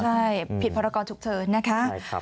ใช่ผิดพระบอกคอมทุกเธอนะคะ